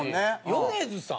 米津さん？